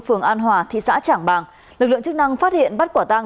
phường an hòa thị xã trảng bàng lực lượng chức năng phát hiện bắt quả tang